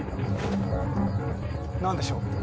何でしょう？